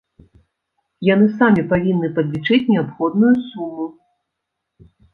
Яны самі павінны падлічыць неабходную суму.